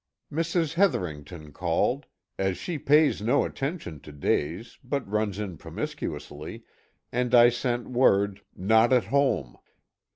Mrs. Hetherington called as she pays no attention to days, but runs in promiscuously and I sent word, "Not at home."